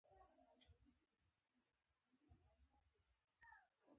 خولۍ د غیرتي افغان لباس برخه ده.